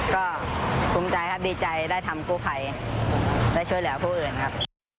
ก็ภูมิใจครับดีใจได้ทำกู้ภัยได้ช่วยเหลือผู้อื่นครับ